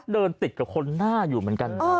เดินติดกับคนหน้าอยู่เหมือนกัน